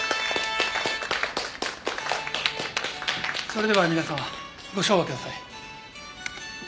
それでは皆様ご唱和ください。